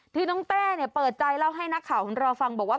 พี่น้องเต้เปิดใจเล่าให้นักข่าวของเราฟังบอกว่า